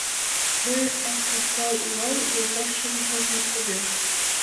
— Мый Аркамбал улам, йолташемже — Морко вел.